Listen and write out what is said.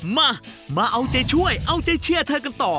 มามาเอาใจช่วยเอาใจเชื่อเธอกันต่อ